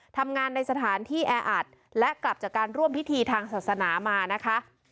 ทำงานในสถานที่แออัดและกลับจากการร่วมพิธีทางศาสนามานะคะ